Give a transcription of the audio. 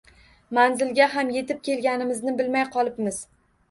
Manzilga ham etib kelganimizni bilmay qolibmiz